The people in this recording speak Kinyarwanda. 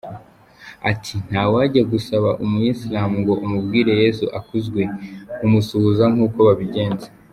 Ati “ Ntiwajya gusaba Umuyisilamu ngo umubwire Yesu akuzwe! Umusuhuza nk’uko babigenza.